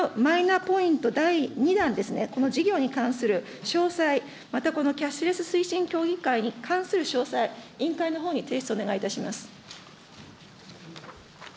こうした疑惑というものがたくさんありますので、このマイナポイント第２弾、この事業に関する詳細、またこのキャッシュレス推進協議会に関する詳細、委員会のほうに提出をお願いいたします。